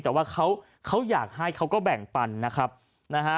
แต่ว่าเขาเขาอยากให้เขาก็แบ่งปันนะครับนะฮะ